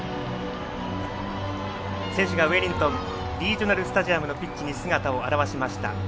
選手がウェリントンリージョナルスタジアムのピッチに姿を現しました。